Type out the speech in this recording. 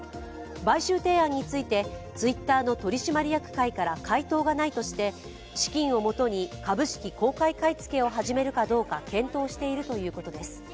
買収提案について、ツイッターの取締役会から回答がないとして資金をもとに株式公開買い付けを始めるかどうか検討しているということです。